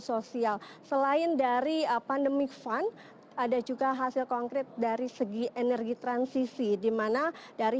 sosial selain dari pandemic fund ada juga hasil konkret dari segi energi transisi dimana dari